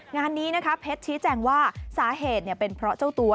งานนี้นะคะเพชรชี้แจงว่าสาเหตุเป็นเพราะเจ้าตัว